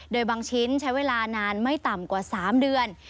โดยบางชิ้นใช้เวลานานไม่ต่ำกว่า๓เดือน